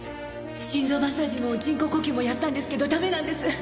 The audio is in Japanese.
心臓マッサージも人工呼吸もやったんですけどダメなんです。